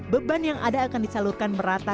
beban yang ada akan disalurkan merata